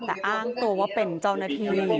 แต่อ้างตัวว่าเป็นเจ้าหน้าที่